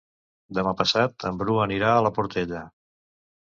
Demà passat en Bru anirà a la Portella.